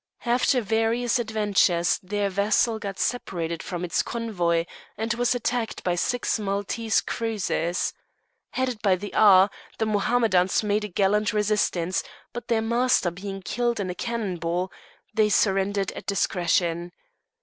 After various adventures their vessel got separated from its convoy, and was attacked by six Maltese cruisers. Headed by the Aga, the Mohammedans made a gallant resistance; but their master being killed by a cannon ball, they surrendered at discretion.